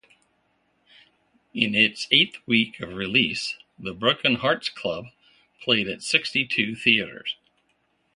In its eighth week of release, "The Broken Hearts Club" played at sixty-two theaters.